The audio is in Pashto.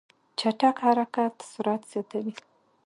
چټک حرکت سرعت زیاتوي.